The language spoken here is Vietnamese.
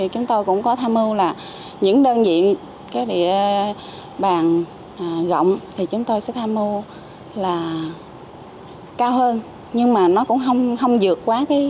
chúng tôi cũng có tham mưu là những đơn vị địa bàn rộng thì chúng tôi sẽ tham mưu là cao hơn nhưng mà nó cũng không dược quá